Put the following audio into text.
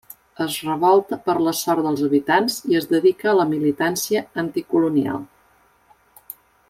Es revolta per la sort dels habitants i es dedica a la militància anticolonial.